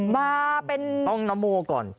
มาเป็นห้องนโมก่อน